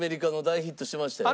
大ヒットしてましたよ。